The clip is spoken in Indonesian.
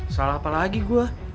salah apa lagi gua